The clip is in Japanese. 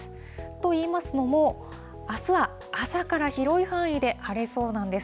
といいますのも、あすは朝から広い範囲で晴れそうなんです。